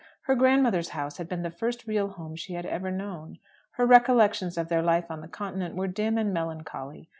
Her grand mother's house had been the first real home she had ever known. Her recollections of their life on the Continent were dim and melancholy.